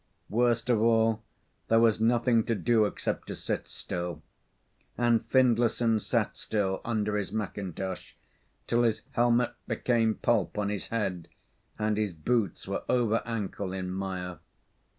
Worst of all, there was nothing to do except to sit still; and Findlayson sat still under his macintosh till his helmet became pulp on his head, and his boots were over ankle in mire.